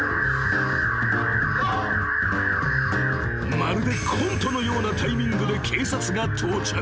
［まるでコントのようなタイミングで］